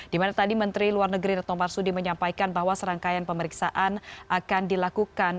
di mana tadi menteri luar negeri reto marsudi menyampaikan bahwa serangkaian pemeriksaan akan dilakukan